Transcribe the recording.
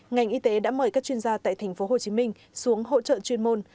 ngành y tế đã mời các chuyên gia tại tp hcm xuống hỗ trợ chuyên môn